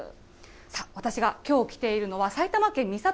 さあ、私がきょう来ているのは、埼玉県美里